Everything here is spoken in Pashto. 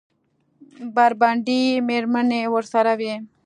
بربنډې مېرمنې ورسره وې.